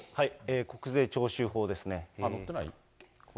国税徴収法ですね。